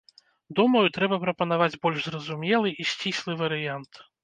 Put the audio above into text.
Думаю, трэба прапанаваць больш зразумелы і сціслы варыянт.